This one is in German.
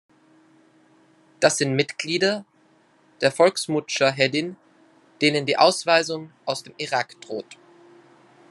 Das sind Mitglieder der Volksmudschaheddin, denen die Ausweisung aus dem Irak droht.